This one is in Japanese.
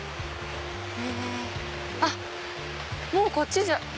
あっもうこっちじゃ。